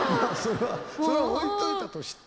それは置いといたとして。